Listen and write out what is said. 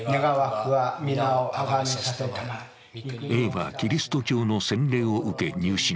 Ａはキリスト教の洗礼を受け、入信。